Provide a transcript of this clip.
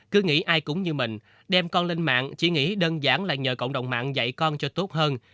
cứ nghĩ ai cũng như mình đem con lên mạng chỉ nghĩ đơn giản là nhờ cộng đồng mạng dạy con cho tốt hơn